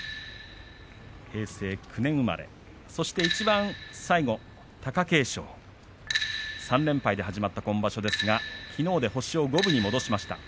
平成９年生まれ、そしていちばん最後、貴景勝３連敗で始まった今場所きのうで星を五分に戻しました。